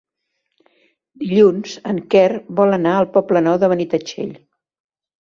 Dilluns en Quer vol anar al Poble Nou de Benitatxell.